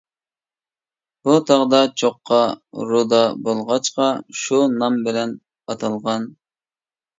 بۇ تاغدا چوققا رۇدا بولغاچقا، شۇ نام بىلەن ئاتالغان.